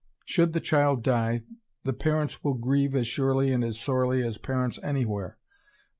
Should the child die, the parents will grieve as surely and as sorely as parents any where; but